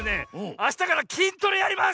あしたから筋トレやります！